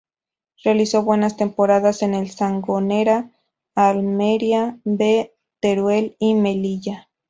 Realizó buenas temporadas en el Sangonera, Almería B, Teruel y Melilla.